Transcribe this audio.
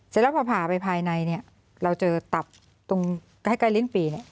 เสร็จแล้วพอผ่าไปภายในเนี่ยเราเจอตับตรงใกล้ลิ้นปี่เนี่ย